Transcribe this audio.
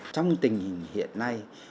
trong tình hình hiện nay